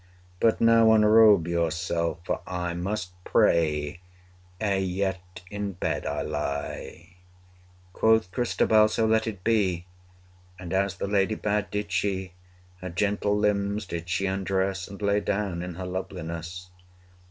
But now unrobe yourself; for I Must pray, ere yet in bed I lie.' Quoth Christabel, So let it be! 235 And as the lady bade, did she. Her gentle limbs did she undress, And lay down in her loveliness.